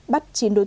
bắt chín đối tượng